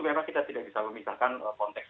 memang kita tidak bisa memisahkan konteks